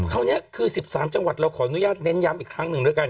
คราวนี้คือ๑๓จังหวัดเราขออนุญาตเน้นย้ำอีกครั้งหนึ่งด้วยกัน